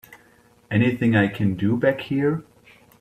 Anything I can do back here?